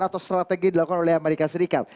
atau strategi dilakukan oleh amerika serikat